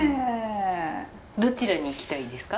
どちらに行きたいですか？